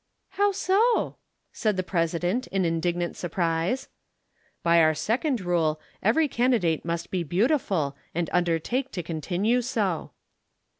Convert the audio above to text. "How so?" said the President in indignant surprise. "By our second rule every candidate must be beautiful and undertake to continue so."